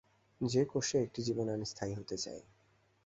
যে-কোশে একটি জীবনে আমি স্থায়ী হতে চাই।